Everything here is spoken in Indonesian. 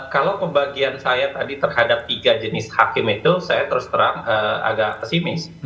kalau pembagian saya tadi terhadap tiga jenis hakim itu saya terus terang agak pesimis